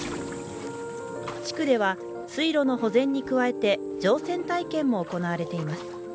地区では水路の保全に加えて乗船体験も行われています。